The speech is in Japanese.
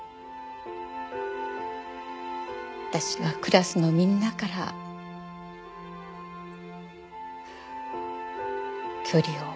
私はクラスのみんなから距離を置かれて。